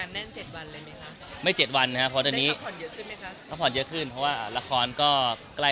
ในวันละ๗วันเลยมิได้พักข่อนเยอะขึ้นไหมฮะ